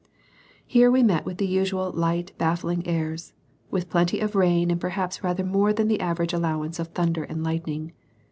Here we met with the usual light baffling airs, with plenty of rain and perhaps rather more than the average allowance of thunder and lightning.